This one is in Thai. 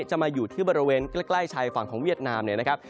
จะมาอยู่ที่บริเวณใกล้ชายฝั่งของเวียดนามเนี่ยนะครับ